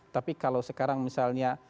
tapi kalau sekarang misalnya